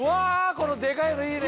このデカいのいいね。